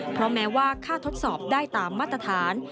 เพราะแม้ว่าค่าทดสอบได้ตามมาตรฐาน